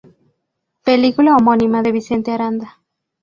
Película homónima de Vicente Aranda.